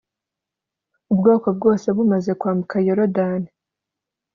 Ubwoko bwose bumaze kwambuka Yorodani